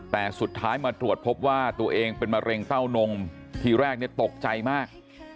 แต่สุดท้ายมาตรวจพบว่าตัวเองเป็นมะเร็งเต้านมทีแรกเนี่ยตกใจมาก